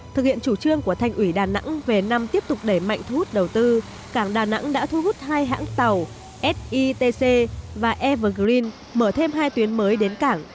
thực hiện chủ trương của thành ủy đà nẵng về năm tiếp tục đẩy mạnh thu hút đầu tư cảng đà nẵng đã thu hút hai hãng tàu sitc và evergreen mở thêm hai tuyến mới đến cảng